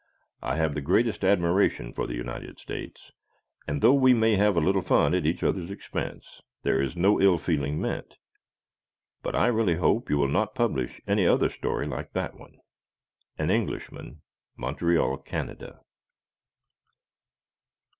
I have the greatest admiration for the United States, and though we may have a little fun at each other's expense, there is no ill feeling meant, but I really hope you will not publish any other story like that one. An Englishman, Montreal, Canada.